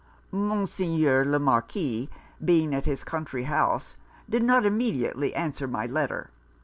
Monseigneur le Marquis being at his country house, did not immediately answer my letter.